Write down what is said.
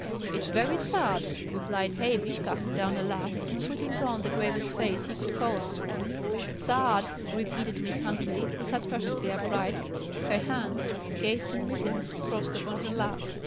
"It's very sad!" replied Hamish, coughing down a laugh, and putting on the gravest face he could call up. "Sad!" repeated Miss Huntley, who sat perfectly upright, her hands, cased in mittens, crossed upon her lap.